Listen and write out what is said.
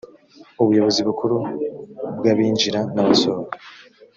ubuyobozi bukuru bw abinjira n abasohoka